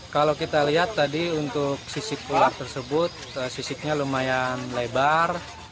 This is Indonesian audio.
kalau kita lihat tadi untuk sisik ular tersebut sisiknya lumayan lebar